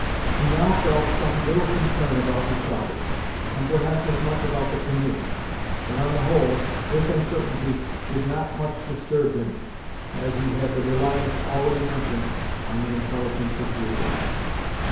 He now felt some little concern about his daughters, and perhaps as much about the canoe; but, on the whole, this uncertainty did not much disturb him, as he had the reliance already mentioned on the intelligence of Judith.